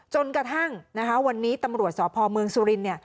จนกระทั่งวันนี้ตำรวจสอบพเมืองสุรินทร์